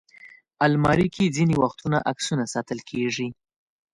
الماري کې ځینې وخت عکسونه ساتل کېږي